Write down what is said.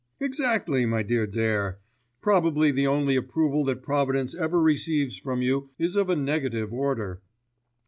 "Exactly, my dear Dare, probably the only approval that providence ever receives from you is of a negative order."